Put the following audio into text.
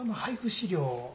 資料